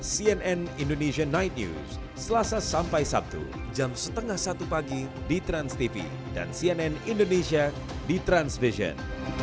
cnn indonesia night news selasa sampai sabtu jam setengah satu pagi di transtv dan cnn indonesia di transvision